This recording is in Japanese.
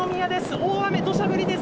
大雨、どしゃ降りです。